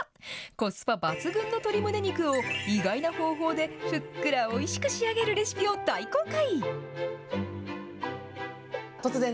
コスパ抜群の鶏むね肉を、意外な方法でふっくらおいしく仕上げるレシピを大公開。